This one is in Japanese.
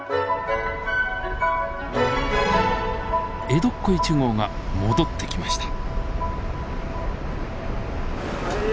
江戸っ子１号が戻ってきました。